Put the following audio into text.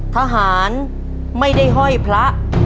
ทหารไม่ได้ห้อยพระ